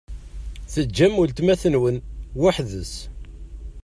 Teǧǧam weltma-twen weḥd-s?